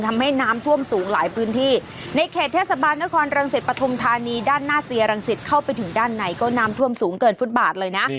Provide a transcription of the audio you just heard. ทำให้น้ำท่วมสูงหลายพื้นที่ในเขตเทศบาลนครรังสิตปฐุมธานีด้านหน้าเซียรังสิตเข้าไปถึงด้านในก็น้ำท่วมสูงเกินฟุตบาทเลยนะ